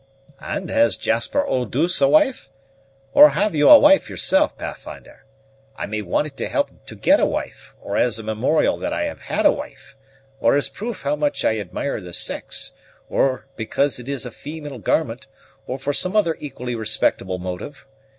"And has Jasper Eau douce a wife? Or have you a wife yoursel', Pathfinder? I may want it to help to get a wife, or as a memorial that I have had a wife, or as proof how much I admire the sex, or because it is a female garment, or for some other equally respectable motive.